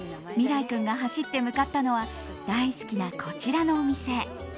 生君が走って向かったのは大好きなこちらのお店。